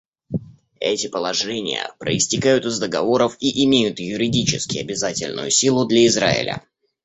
Эти положения проистекают из договоров и имеют юридически обязательную силу для Израиля.